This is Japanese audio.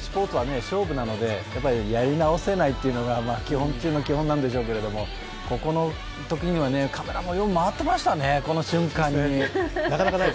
スポーツは勝負なのでやり直せないというのが基本中の基本なんでしょうけれども、ここのときにはカメラもよう回ってましたね、この瞬間に。